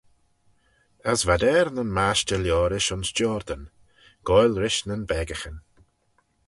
As v'ad er nyn mashtey liorish ayns Jordan, goaill-rish nyn beccaghyn.